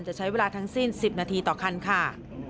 จะใช้เวลาทั้งสิ้น๑๐นาทีต่อคันค่ะ